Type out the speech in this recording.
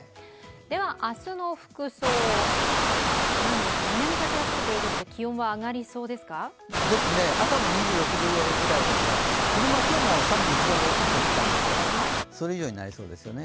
では明日の服装なんですが南風が吹くということで朝が２６度ぐらいですが昼間も３１度ぐらいでしたがそれ以上になりそうですね。